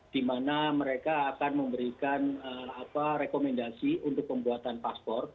di mana mereka akan memberikan rekomendasi untuk pembuatan paspor